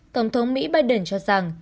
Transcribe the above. tổng thống mỹ biden cho rằng